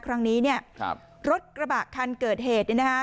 ครั้งนี้เนี่ยครับรถกระบะคันเกิดเหตุเนี่ยนะคะ